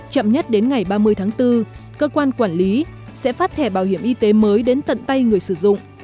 chậm nhất đến ngày ba mươi tháng bốn cơ quan quản lý sẽ phát thẻ bảo hiểm y tế mới đến tận tay người sử dụng